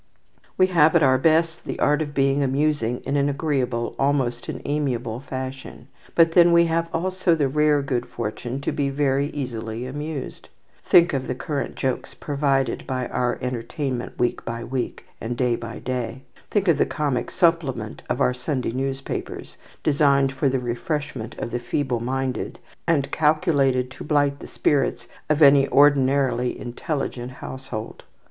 We have at our best the art of being amusing in an agreeable, almost an amiable, fashion; but then we have also the rare good fortune to be very easily amused. Think of the current jokes provided for our entertainment week by week, and day by day. Think of the comic supplement of our Sunday newspapers, designed for the refreshment of the feeble minded, and calculated to blight the spirits of any ordinarily intelligent household.